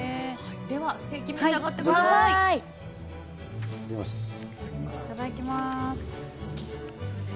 ではステーキ、召し上がってくだいただきます。